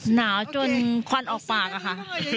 หนาวจนควันออกปากอะค่ะ